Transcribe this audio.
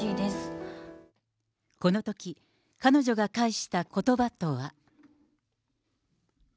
このとき、彼女が返したことばとは。